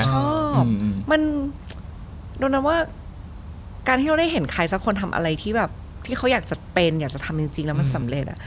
ชอบมันโดนัมว่าการที่เราได้เห็นใครสักคนทำอะไรที่แบบที่เขาอยากจะเป็นอยากจะทำจริงแล้วมันสำเร็จ